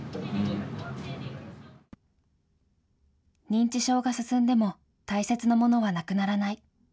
認知症が進んでも、大切なものはなくならない。